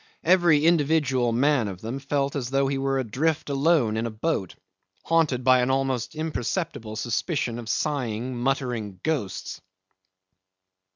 Every individual man of them felt as though he were adrift alone in a boat, haunted by an almost imperceptible suspicion of sighing, muttering ghosts.